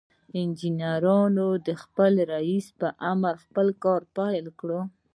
انجنيرانو د خپل رئيس په امر خپل کار پيل کړ.